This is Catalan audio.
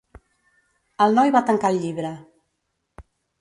El noi va tancar el llibre.